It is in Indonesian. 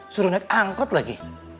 suruh naik angkot lagi